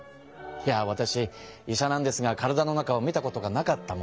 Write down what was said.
いやわたし医者なんですが体の中を見たことがなかったもんで。